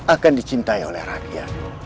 akan dicintai oleh rakyat